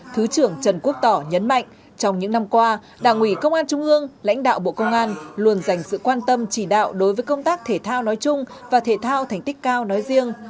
thứ trưởng trần quốc tỏ nhấn mạnh trong những năm qua đảng ủy công an trung ương lãnh đạo bộ công an luôn dành sự quan tâm chỉ đạo đối với công tác thể thao nói chung và thể thao thành tích cao nói riêng